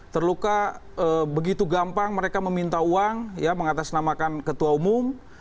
terluka begitu gampang mereka meminta uang ya mengatasnamakan ketua umum